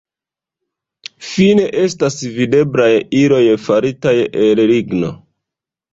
Fine estas videblaj iloj faritaj el ligno.